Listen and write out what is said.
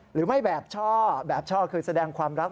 หรือไม่แบบชอแบบชอคือแสดงความรัก